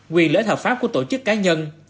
quyền lợi ích hợp pháp của tổ chức cá nhân